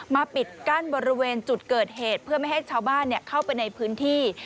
ปิดกั้นบริเวณจุดเกิดเหตุเพื่อไม่ให้ชาวบ้านเข้าไปในพื้นที่